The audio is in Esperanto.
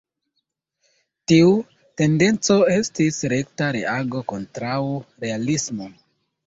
Tiu tendenco estis rekta reago kontraŭ realismo.